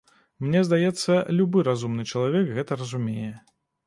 Мне здаецца, любы разумны чалавек гэта разумее.